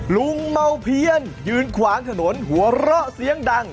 ลุงเมาเพียนยืนขวางถนนหัวเราะเสียงดัง